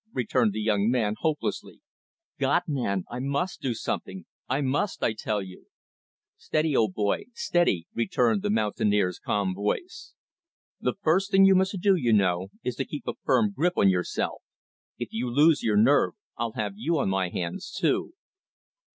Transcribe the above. returned the young man, hopelessly. "God, man! I must do something! I must, I tell you!" "Steady, old boy, steady," returned the mountaineer's calm voice. "The first thing you must do, you know, is to keep a firm grip on yourself. If you lose your nerve I'll have you on my hands too."